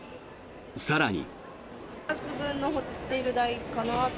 更に。